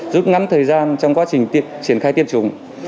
giúp ngắn thời gian trong quá trình triển khai tiêm chủng